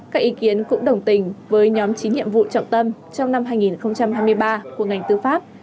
các ý kiến cũng đồng tình với nhóm chín nhiệm vụ trọng tâm trong năm hai nghìn hai mươi ba của ngành tư pháp